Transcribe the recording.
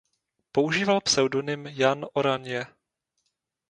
Používal pseudonym "Jan Oranje".